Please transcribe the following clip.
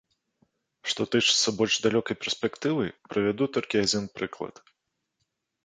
Што тычыцца больш далёкай перспектывы, прывяду толькі адзін прыклад.